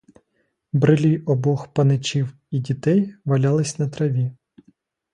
Брилі обох паничів і дітей валялись на траві.